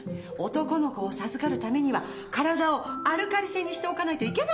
男の子を授かるためには体をアルカリ性にしておかないといけないんです。